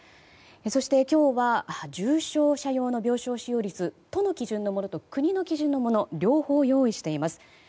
そして、今日は重症者用の病床使用率都の基準のものと国の基準のもの両方用意しています。